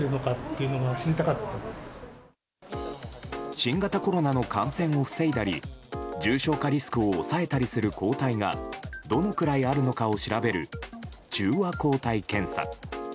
新型コロナの感染を防いだり重症化リスクを抑えたりする抗体がどのくらいあるのかを調べる中和抗体検査。